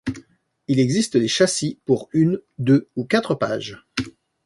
Il existe des châssis pour une, deux ou quatre pages.